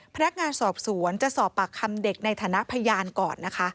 พนักงานสอบสวนจะสอบปากคำเด็กในฐานะพยานก่อนนะคะ